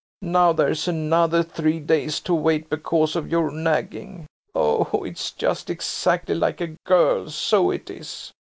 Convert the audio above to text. Now there's another three days to wait, because of your nagging. Oh, it's just exactly like a girl, so it is!"